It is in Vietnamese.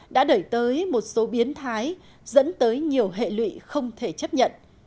đã đẩy tới một số biến thái dẫn tới nhiều hệ lụy không thể chấp nhận